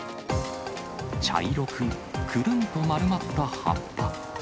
茶色くくるんと丸まった葉っぱ。